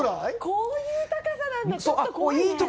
こういう高さなんて、ちょっと怖いね。